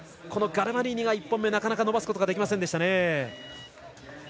ガルマリーニが１本目なかなか伸ばすことができませんでした。